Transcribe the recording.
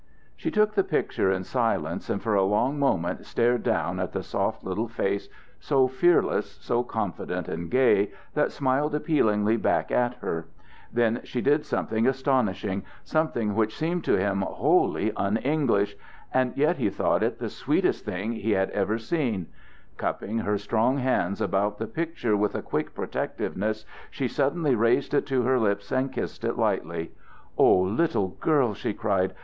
She took the picture in silence, and for a long moment stared down at the soft little face, so fearless, so confident and gay, that smiled appealingly back at her. Then she did something astonishing, something which seemed to him wholly un English, and yet he thought it the sweetest thing he had ever seen. Cupping her strong hands about the picture with a quick protectiveness, she suddenly raised it to her lips, and kissed it lightly. "O little girl!" she cried.